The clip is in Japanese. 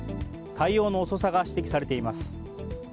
対応の遅さが指摘されています。